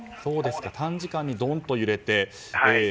短時間にドンと揺れて。